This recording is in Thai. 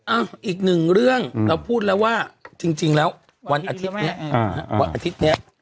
อ้าอีกหนึ่งเรื่องเราพูดแล้วว่าจริงแล้ววันอาทิตย์นี้